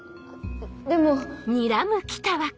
でも。